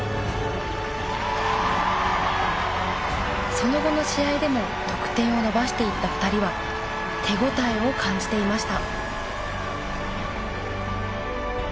その後の試合でも得点を伸ばしていった２人は手応えを感じていました。